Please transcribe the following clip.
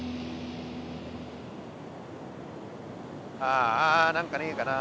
ああ何かねえかな。